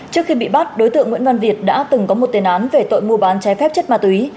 trước khi bị bắt đối tượng nguyễn văn việt đã từng có một tên án về tội mua bán trái phép chất ma túy